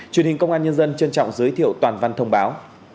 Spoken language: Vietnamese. truyền hình công an nhân dân trân trọng giới thiệu toàn văn thông báo